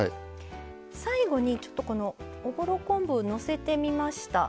最後におぼろ昆布をのせてみました。